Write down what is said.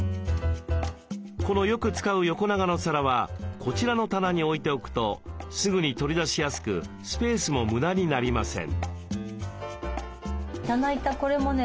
このよく使う横長の皿はこちらの棚に置いておくとすぐに取り出しやすくスペースも無駄になりません。